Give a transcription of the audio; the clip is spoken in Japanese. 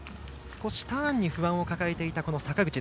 少しターンに不安を抱えてきた坂口。